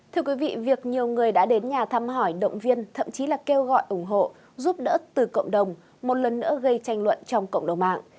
thưa quý vị việc nhiều người đã đến nhà thăm hỏi động viên thậm chí là kêu gọi ủng hộ giúp đỡ từ cộng đồng một lần nữa gây tranh luận trong cộng đồng mạng